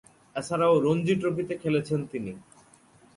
এছাড়াও রঞ্জী ট্রফিতে খেলেছেন তিনি।